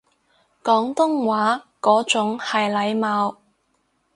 廣東話嗰種係體貌